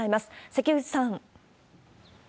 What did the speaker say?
関口さん。